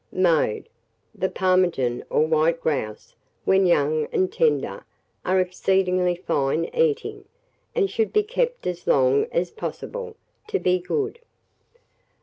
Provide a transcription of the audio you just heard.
Mode. The ptarmigan, or white grouse, when young and tender, are exceedingly fine eating, and should be kept as long as possible, to be good.